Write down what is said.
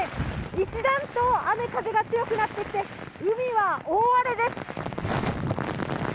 一段と雨、風が強くなってきて、海は大荒れです。